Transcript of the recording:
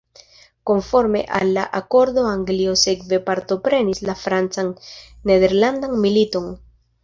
Konforme al la akordo, Anglio sekve partoprenis la Francan-Nederlandan militon.